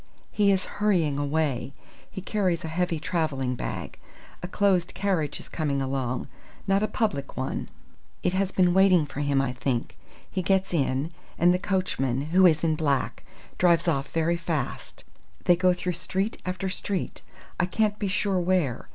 "He is hurrying away. He carries a heavy travelling bag. A closed carriage is coming along not a public one. It has been waiting for him I think. He gets in, and the coachman who is in black drives off very fast. They go through street after street! I can't be sure where.